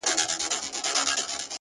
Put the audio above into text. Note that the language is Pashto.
اوس چي مخ هرې خوا ته اړوم الله وينم!